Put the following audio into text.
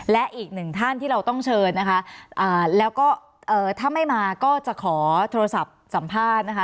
และอีกหนึ่งท่านที่เราต้องเชิญนะคะแล้วก็ถ้าไม่มาก็จะขอโทรศัพท์สัมภาษณ์นะคะ